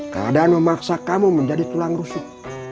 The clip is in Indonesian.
keadaan memaksa kamu menjadi tulang rusuk